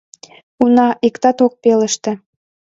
— Уна, иктат ок пелеште.